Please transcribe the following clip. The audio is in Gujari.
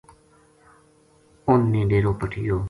اُنھ نے ڈیرو پٹیو